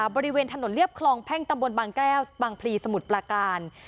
บริเวณถนนเรียบคลองแพ่งตำบลบางแก้วบางพลีสมุทรปลาการ